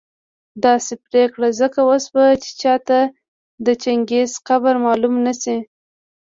داسي پرېکړه ځکه وسوه چي چاته د چنګېز قبر معلوم نه شي